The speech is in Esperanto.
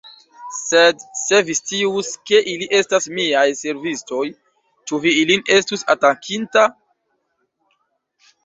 Sed se vi scius, ke ili estas miaj servistoj, ĉu vi ilin estus atakinta?